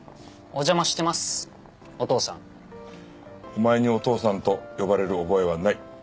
お前にお父さんと呼ばれる覚えはない。